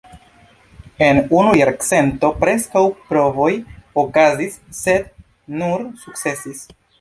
En unu jarcento, preskaŭ provoj okazis sed nur sukcesis.